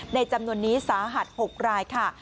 จำนวนนี้สาหัส๖รายค่ะ